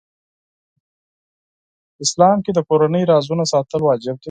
اسلام کې د کورنۍ رازونه ساتل واجب دي .